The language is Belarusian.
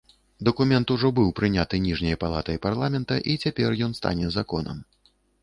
Дакумент ужо быў прыняты ніжняй палатай парламента і цяпер ён стане законам.